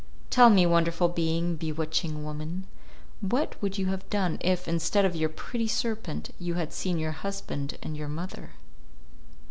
"Tell me, wonderful being, bewitching woman, what would you have done if, instead of your pretty serpent, you had seen your husband and your mother?"